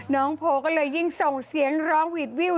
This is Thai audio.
น้องโพก็เลยยิ่งส่งเสียงร้องหวีดวิว